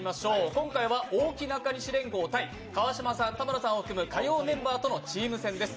今回は大木・中西連合対川島さん・田村さんを含む火曜メンバーとのチーム戦です。